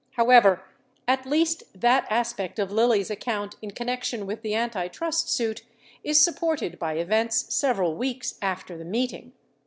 However, at least that aspect of Lilly's account in connection with the antitrust suit ^is supported by events several weeks after the meeting.